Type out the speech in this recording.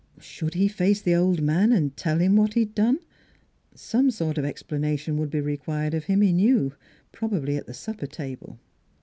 Should he face the old man and tell him what he had done? Some sort of explanation would be required of him, he knew, probably at the supper table.